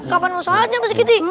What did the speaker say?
kapan mau sholatnya pak srikiti